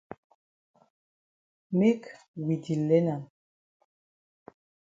Make we di learn am.